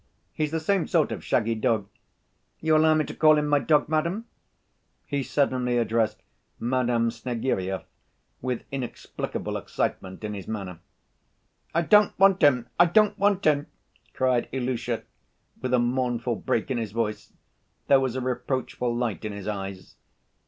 He's the same sort of shaggy dog.... You allow me to call in my dog, madam?" He suddenly addressed Madame Snegiryov, with inexplicable excitement in his manner. "I don't want him, I don't want him!" cried Ilusha, with a mournful break in his voice. There was a reproachful light in his eyes.